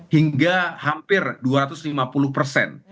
hingga hampir dua ratus lima puluh persen